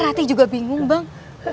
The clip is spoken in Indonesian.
rati juga bingung bang